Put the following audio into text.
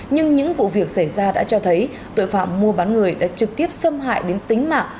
nhưng những vụ việc xảy ra đã cho thấy tội phạm mua bán người đã trực tiếp xâm hại đến tính mạng